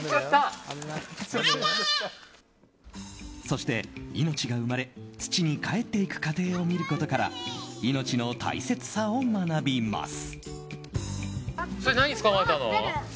そして、命が生まれ土にかえっていく過程を見ることから命の大切さを学びます。